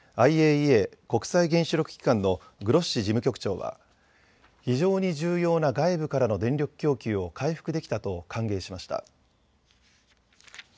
ＩＡＥＡ・国際原子力機関のグロッシ事務局長は非常に重要な外部からの電力供給を回復できたと歓迎しました。